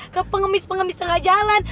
ke pengemis pengemis setengah jalan